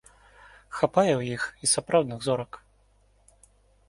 Хапае ў іх і сапраўдных зорак.